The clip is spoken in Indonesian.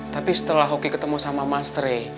tapi setelah oki ketemu sama mas rey